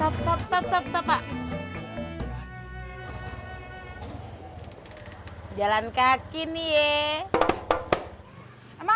bang bawah oyah kamu